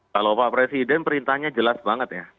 kalau pak presiden perintahnya jelas banget ya